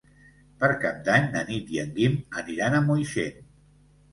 Per Cap d'Any na Nit i en Guim aniran a Moixent.